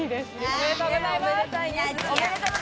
おめでとうございます。